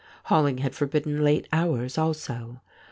Rolling had forbidden late hours also.